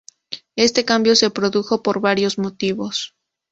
Este cambio se produjo por varios motivos.